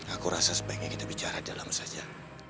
aku rasa sebaiknya kita bicara dalam saja